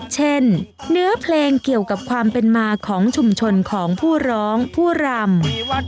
เช่นเนื้อเพลงเกี่ยวกับความเป็นมาของชุมชนของผู้ร้องผู้รำ